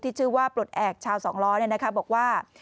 ชื่อว่าปลดแอบชาวสองล้อบอกว่า